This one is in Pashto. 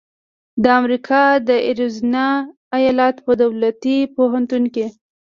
د امریکا د اریزونا ایالت په دولتي پوهنتون کې